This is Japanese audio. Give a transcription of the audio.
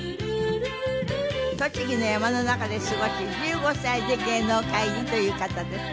栃木の山の中で過ごし１５歳で芸能界入りという方です。